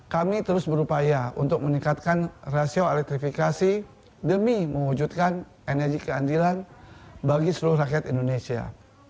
kami terus berupaya untuk meningkatkan rasio elektrifikasi demi mewujudkan energi keandilan bagi seluruh rakyat indonesia